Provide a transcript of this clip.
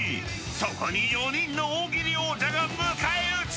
そこに４人の大喜利王者が迎え撃つ。